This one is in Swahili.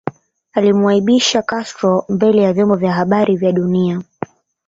Alimuaibisha Castro mbele ya vyombo vya habari vya dunia